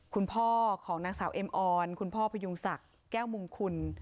คุณพ่อของนางสาวเอ็มออนคุณพ่อพยุงศักดิ์แก้วมงคุณ